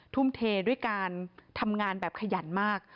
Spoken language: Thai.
ทุ่มเทด้วยการทำงานแบบขยันมาก